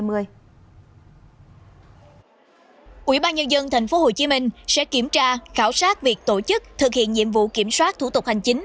ubnd tp hcm sẽ kiểm tra khảo sát việc tổ chức thực hiện nhiệm vụ kiểm soát thủ tục hành chính